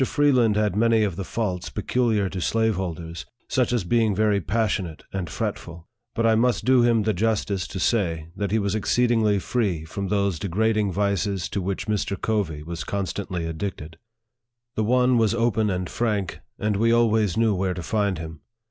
Freeland had many of the faults peculiar to slave holders, such as being very passionate and fretful ; but I must do him the justice to say, that he was exceed ingly free from those degrading vices to which Mr. Covey was constantly addicted The one was open and frank, and we always knew where to find him.